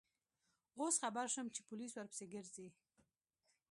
اوس خبر شوم چې پولیس ورپسې گرځي.